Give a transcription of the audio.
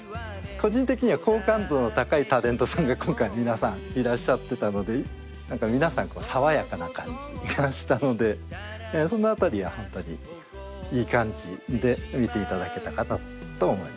個人的には好感度の高いタレントさんが今回皆さんいらっしゃってたので皆さん爽やかな感じがしたのでそのあたりはホントにいい感じで見ていただけたかなとは思います。